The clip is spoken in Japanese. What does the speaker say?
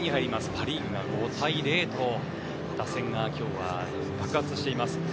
パ・リーグが５対０と打線が今日は爆発しています。